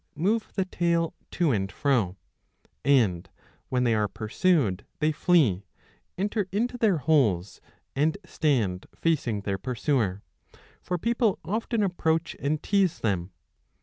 AUSCULTATIONIBUS 63 78 835 move the tail to and fro, and when they are pursued they flee, enter into their holes, and stand facing their pursuer ; for people often approach and tease them.